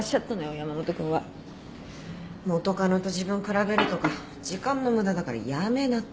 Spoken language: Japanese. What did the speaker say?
山本君は。元カノと自分を比べるとか時間の無駄だからやめなって。